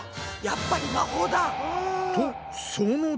やっぱり魔法だ！